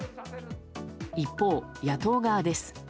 一方、野党側です。